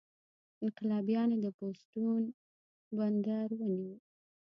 انقلابیانو د بوستون بندر ونیو.